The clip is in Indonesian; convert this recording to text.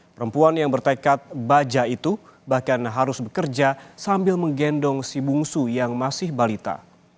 perempuan yang bertekad baja itu bahkan harus bekerja sambil menggendong si bungsu yang masih balita